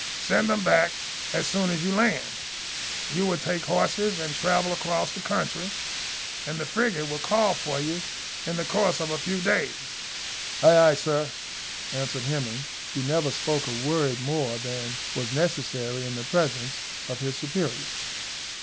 Send them back as soon as you land. You will take horses and travel across the country, and the frigate will call for you in the course of a few days." "Ay, ay, sir!" answered Hemming, who never spoke a work more than was necessary in the presence of his superiors.